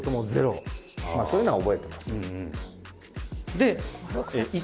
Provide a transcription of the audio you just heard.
そういうのは覚えてます。